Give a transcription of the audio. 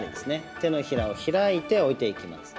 手のひらを開いて置いていきます。